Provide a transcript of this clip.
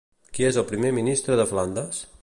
Qui és el primer ministre de Flandes?